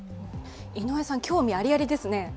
井上さん、興味ありありですね。